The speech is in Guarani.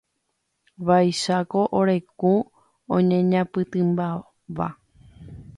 Vaicháku ore kũ oñeñapytĩmbáva.